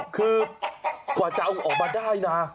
คือกว่าจะเอาออกมาได้นะ